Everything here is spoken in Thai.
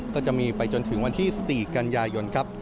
ก็จะมีไปจนถึงวันที่๔กันยายนครับ